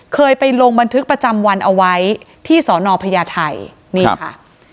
เคยไปลงบันทึกประจำวันเอาไว้ที่สอนอพญาไทยนี่ค่ะ